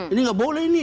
ini tidak boleh ini